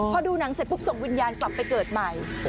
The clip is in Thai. พอดูหนังเสร็จปุ๊บส่งวิญญาณกลับไปเกิดใหม่